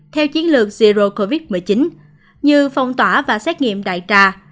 theo chiến lược zero covid một mươi chín như phong tỏa và xét nghiệm đại trà